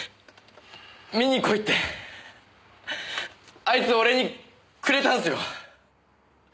見に来いってあいつ俺にくれたんすよ。